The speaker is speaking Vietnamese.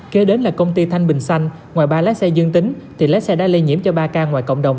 kế đến là công ty thanh bình xanh ngoài ba lái xe dương tính thì lái xe đã lây nhiễm cho ba ca ngoài cộng đồng